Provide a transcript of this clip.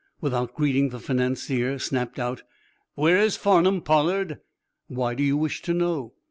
Without greeting the financier snapped out: "Where is Farnum, Pollard?" "Why do you wish to know?"